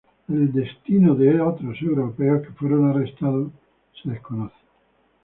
El destino de otros europeos que fueron arrestados se desconoce.